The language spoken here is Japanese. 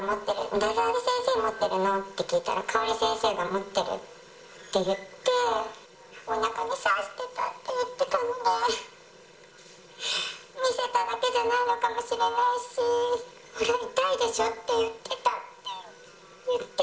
誰々先生が持ってるの？って聞いたら、香織先生が持ってるって言って、おなかに刺してたって言ってたんで、見せただけじゃないのかもしれないし、痛いでしょ？